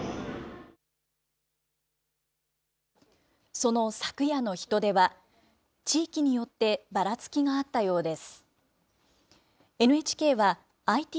その昨夜の人出は、地域によってばらつきがあったようです。